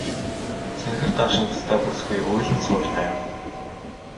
Цэнхэр даашинзтай бүсгүй уйлан сууж байв.